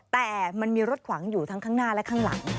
แต่มันมีรถขวางอยู่ทั้งข้างหน้าและข้างหลัง